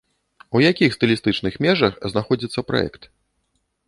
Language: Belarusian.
У якіх стылістычных межах знаходзіцца праект?